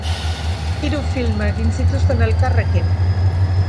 Hiru film egin zituzten elkarrekin.